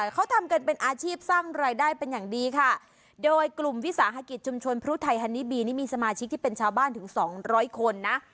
เขาทำกันเป็นอาชีพสร้างรายได้เป็นอย่างดีค่ะโดยกลุ่มวิสาหกิจชุมชนพรุไทยฮันนิบีนี่มีสมาชิกที่เป็นชาวบ้านถึงสองร้อยคนนะ